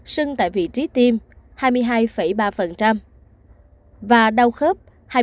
sưng tại vị trí tiêm hai mươi hai ba và đau khớp hai mươi một ba